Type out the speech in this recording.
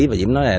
và diễm nói là